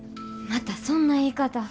またそんな言い方。